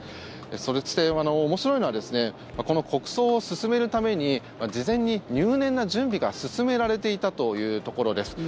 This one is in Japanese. そして、面白いのはこの国葬を進めるために事前に入念な準備が進められていたというところです。